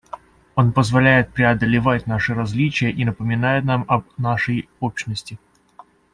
Он позволяет преодолевать наши различия и напоминает нам о нашей общности.